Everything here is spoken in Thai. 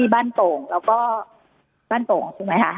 บ้านโป่งแล้วก็บ้านโป่งใช่ไหมคะ